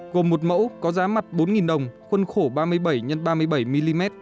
gồm một mẫu có giá mặt bốn đồng khuân khổ ba mươi bảy x ba mươi bảy mm